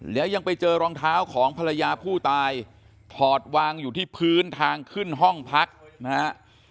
แล้วยังไปเจอรองเท้าของภรรยาผู้ตายถอดวางอยู่ที่พื้นทางขึ้นห้องพักนะฮะ